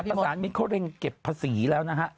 การจัดการมิโฆเร็งเก็บภาษีแล้วนะฮะ